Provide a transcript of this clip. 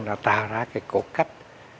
nó tạo ra cái cổ cách